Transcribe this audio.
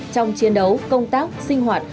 trong chiến đấu công tác sinh hoạt